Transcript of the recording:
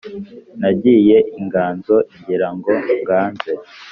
nagiye inganzo ngira ngo nganze,